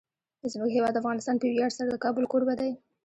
زموږ هیواد افغانستان په ویاړ سره د کابل کوربه دی.